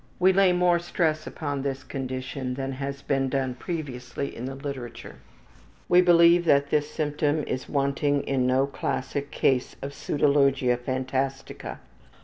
We lay more stress upon this condition than has been done previously in the literature. We believe that this symptom is wanting in no classic case of pseudologia phantastica.